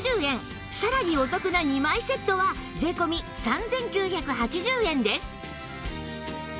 さらにお得な２枚セットは税込３９８０円です